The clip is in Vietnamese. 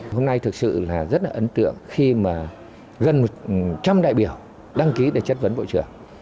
hôm nay thực sự là rất là ấn tượng khi mà gần một trăm linh đại biểu đăng ký để chất vấn bộ trưởng